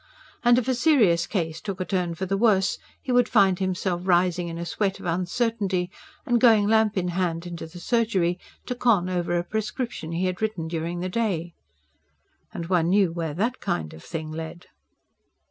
And if a serious case took a turn for the worse, he would find himself rising in a sweat of uncertainty, and going lamp in hand into the surgery, to con over a prescription he had written during the day. And one knew where THAT kind of thing led!